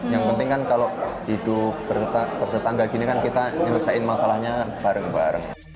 yang penting kan kalau hidup bertetangga gini kan kita nyelesain masalahnya bareng bareng